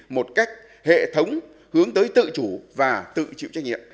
một cách hệ thống hướng tới tự chủ và tự chịu trách nhiệm